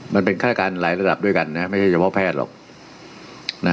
มันเป็นฆาตการหลายระดับด้วยกันนะไม่ใช่เฉพาะแพทย์หรอก